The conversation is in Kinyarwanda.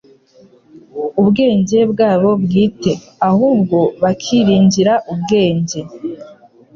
ubwenge bwabo bwite, ahubwo bakiringira ubwenge